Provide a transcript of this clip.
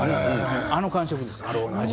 あの感じです。